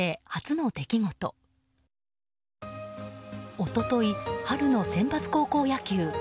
一昨日、春のセンバツ高校野球。